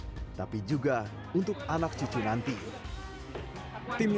duduk bersama bukan hanya untuk menyelesaikan masalah banjir saat ini